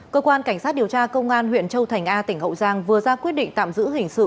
cơ quan cảnh sát điều tra công an huyện châu thành a tỉnh hậu giang vừa ra quyết định tạm giữ hình sự